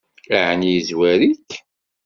Ɛni yezwar-ik?